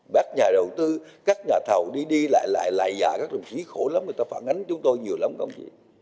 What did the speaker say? bác nhà đầu tư các nhà thầu đi đi lại lại dạ các đồng chí khổ lắm người ta phản ánh chúng tôi nhiều lắm không chị